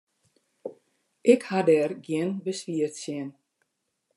Ik ha der gjin beswier tsjin.